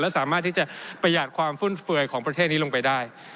สามารถที่จะประหยัดความฟุ่มเฟือยของประเทศนี้ลงไปได้